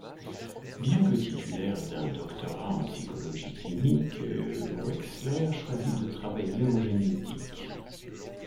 Bien que titulaire d'un doctorat en psychologie clinique, Wexler choisit de travailler en génétique.